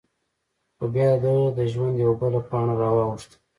خو؛ بیا د دهٔ د ژوند یوه بله پاڼه را واوښته…